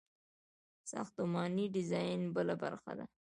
ساختماني ډیزاین بله برخه ده.